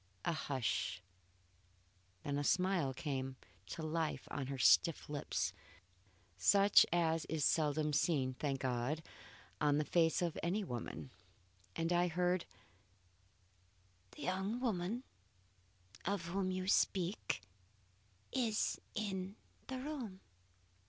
A hush. Then a smile came to life on her stiff lips, such as is seldom seen, thank God, on the face of any woman, and I heard: "The young relative of whom you speak, is in the room.